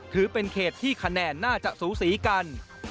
ถือเป็นเขตที่คะแนนน่าจะสูสีกัน